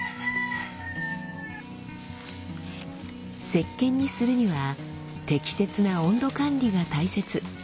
せっけんにするには適切な温度管理が大切。